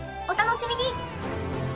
お楽しみに！